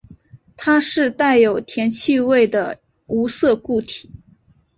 它是带有甜气味的无色固体。